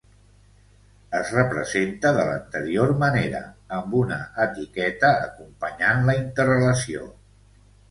Es representa de l'anterior manera, amb una etiqueta acompanyant la interrelació.